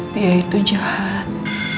dia itu jahat